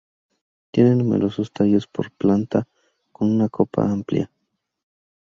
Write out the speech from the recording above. Tiene numerosos tallos por planta, con una copa amplia.